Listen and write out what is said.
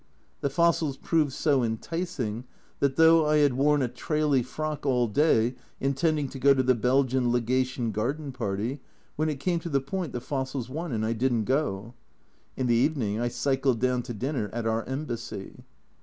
The fossils proved so enticing that though I had worn a traily frock all day intending to go to the Belgian Legation garden party, when it came to the point the fossils won, and I didn't go. In the evening I cycled down to dinner at our Embassy.